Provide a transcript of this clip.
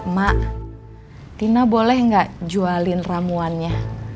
mak tina boleh nggak jualin ramuannya